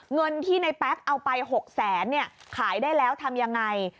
เงินที่ในแป๊กเอาไป๖แสนขายได้แล้วทำยังไง